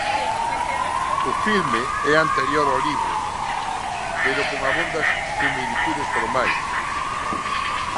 O filme é anterior ao libro, pero con abondas similitudes formais.